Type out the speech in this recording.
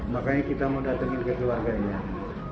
makanya kita mau datangin ke keluarganya